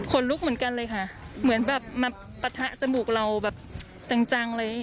ลุกเหมือนกันเลยค่ะเหมือนแบบมาปะทะจมูกเราแบบจังเลย